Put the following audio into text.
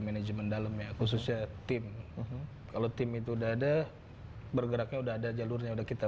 manajemen dalam ya khususnya tim kalau tim itu udah ada bergeraknya udah ada jalurnya udah kita